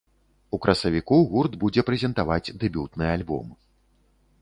У красавіку гурт будзе прэзентаваць дэбютны альбом.